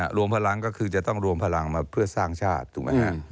รวมพลังก็คือจะต้องรวมพลังมาเพื่อสร้างชาติถูกไหมฮะ